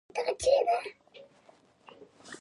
کندز سیند د افغانستان د ځایي اقتصادونو بنسټ دی.